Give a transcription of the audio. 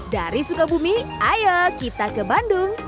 dari sukabumi ayo kita ke bandung